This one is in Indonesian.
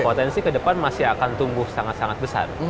potensi ke depan masih akan tumbuh sangat sangat besar